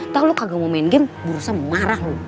tau lo kagak mau main game gue rusak marah lo